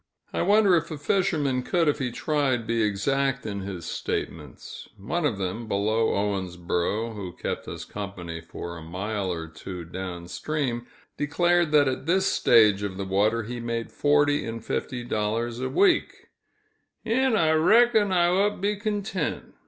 I wonder if a fisherman could, if he tried, be exact in his statements. One of them, below Owensboro, who kept us company for a mile or two down stream, declared that at this stage of the water he made forty and fifty dollars a week, "'n' I reck'n I ote to be contint."